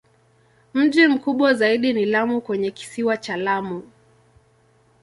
Mji mkubwa zaidi ni Lamu kwenye Kisiwa cha Lamu.